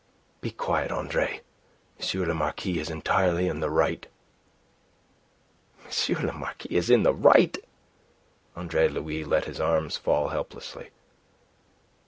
"Be quiet, Andre. M. le Marquis is entirely in the right." "M. le Marquis is in the right?" Andre Louis let his arms fall helplessly.